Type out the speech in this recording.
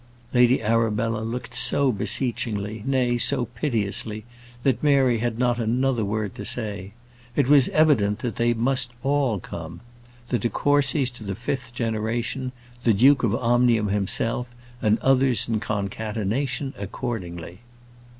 Lady Arabella looked so beseechingly, nay, so piteously, that Mary had not another word to say. It was evident that they must all come: the de Courcys to the fifth generation; the Duke of Omnium himself, and others in concatenation accordingly.